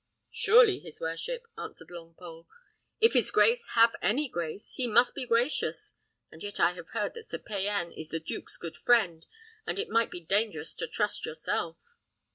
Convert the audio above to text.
"Surely, your worship," answered Longpole, "if his grace have any grace, he must be gracious; and yet I have heard that Sir Payan is the duke's good friend, and it might be dangerous to trust yourself."